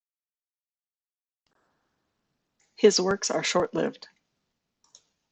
His works are short-lived.